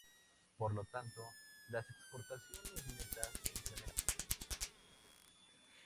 Por lo tanto, las exportaciones netas se incrementan.